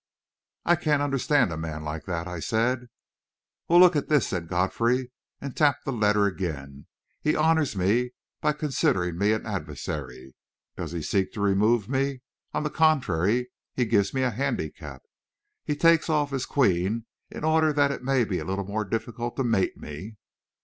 "I can't understand a man like that," I said. "Well, look at this," said Godfrey, and tapped the letter again. "He honours me by considering me an adversary. Does he seek to remove me? On the contrary, he gives me a handicap. He takes off his queen in order that it may be a little more difficult to mate me!"